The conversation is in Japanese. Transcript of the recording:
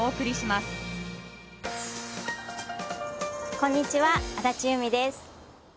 こんにちは安達祐実です。